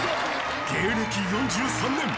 ［芸歴４３年］